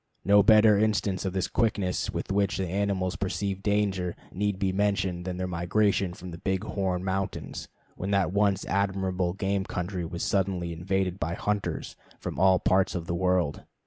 No better instance of the quickness with which animals perceive danger need be mentioned than their migration from the Big Horn Mountains, when that once admirable game country was suddenly invaded by hunters from all parts of the world.